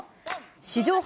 史上初！